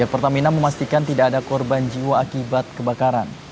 pertamina memastikan tidak ada korban jiwa akibat kebakaran